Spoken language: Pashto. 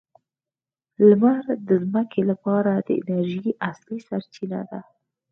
لمر د ځمکې لپاره د انرژۍ اصلي سرچینه ده.